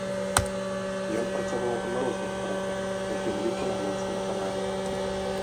Ён працаваў на розных працах, у тым ліку на лодцы на канале.